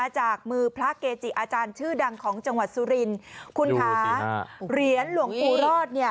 จากมือพระเกจิอาจารย์ชื่อดังของจังหวัดสุรินคุณคะเหรียญหลวงปู่รอดเนี่ย